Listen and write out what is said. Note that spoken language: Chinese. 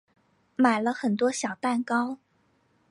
买了很多小蛋糕